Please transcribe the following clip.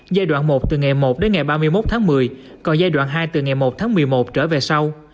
giai đoạn một từ ngày một đến ngày ba mươi một tháng một mươi còn giai đoạn hai từ ngày một tháng một mươi một trở về sau